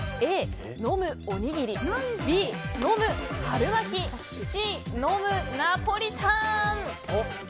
Ａ、飲むおにぎりＢ、飲む春巻きＣ、飲むナポリタン。